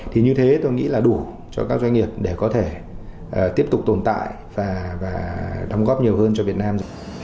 thì như thế tôi nghĩ là đủ cho các doanh nghiệp để có thể tiếp tục tồn tại và đóng góp nhiều hơn cho việt nam